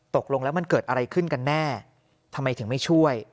ตกลงแล้วมันเกิดอะไรขึ้นกันแน่ทำไมถึงไม่ช่วย